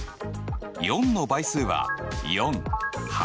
４の倍数は４８。